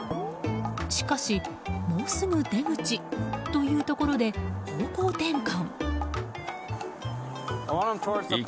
しかし、もうすぐ出口というところで方向転換。